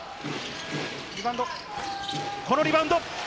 このリバウンド！